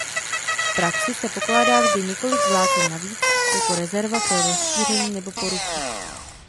V praxi se pokládá vždy několik vláken navíc jako rezerva pro rozšíření nebo poruchu.